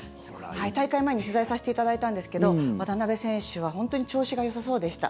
大会前に取材させていただいたんですけど渡辺選手は本当に調子がよさそうでした。